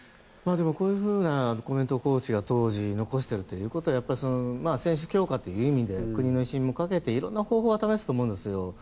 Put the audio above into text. こういうふうなコメントをコーチが当時残しているということはやっぱり選手強化という意味で国の威信もかけていろいろな方法を試すと思うんですよ。